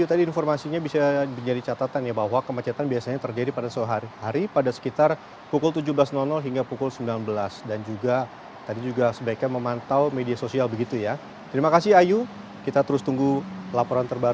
arus balik dengan lebih kondusif